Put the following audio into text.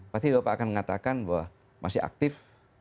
pasti bapak akan mengatakan bahwa masih aktif